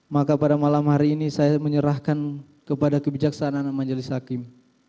maka pada malam hari ini saya menyerahkan kepada kebijaksanaan majelis hakim